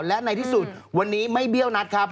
และในที่สุดวันนี้ไม่เบี้ยวนัดครับ